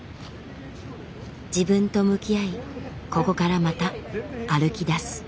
自分と向き合いここからまた歩き出す。